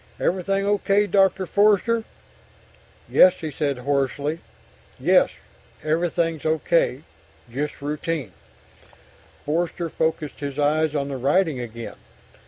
"Everything okay, Doctor Forster?" "Yes," he said hoarsely. "Yes ... everything's okay ... just routine." Forster focussed his eyes on the writing again.